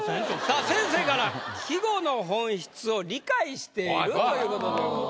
さあ先生から「季語の本質を理解している」という事でございます。